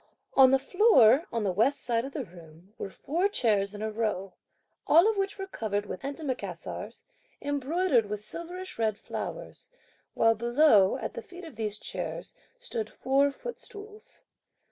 On the floor on the west side of the room, were four chairs in a row, all of which were covered with antimacassars, embroidered with silverish red flowers, while below, at the feet of these chairs, stood four footstools.